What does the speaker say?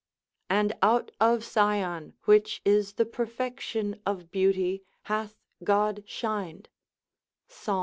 And out of Sion, which is the perfection of beauty, hath God shined, Psal.